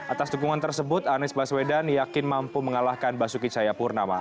atas dukungan tersebut anis baswedan yakin mampu mengalahkan basuki caya purnama